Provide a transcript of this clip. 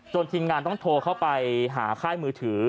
ทีมงานต้องโทรเข้าไปหาค่ายมือถือ